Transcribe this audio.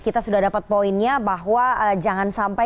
kita sudah dapat poinnya bahwa